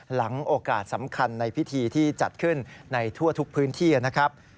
หลังโอกาสสำคัญในพิธีที่จัดขึ้นในทั่วทุกพื้นที่นะครับ